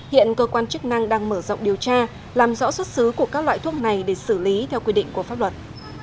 hiện cơ quan chức năng đang mở rộng điều tra làm rõ xuất xứ của các loại thuốc này để xử lý theo quy định của pháp luật